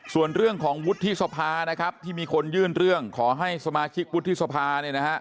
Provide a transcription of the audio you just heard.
ส่วนเรื่องของวุฒิสภานะครับที่มีคนยื่นเรื่องขอให้สมาชิกวุฒิสภาเนี่ยนะฮะ